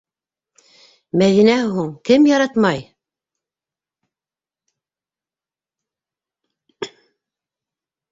Мәҙинәне һуң кем яратмай?!